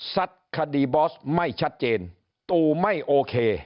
ัดคดีบอสไม่ชัดเจนตู่ไม่โอเค